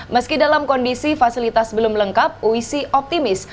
meski dalam kondisi fasilitas belum lengkap uisi optimis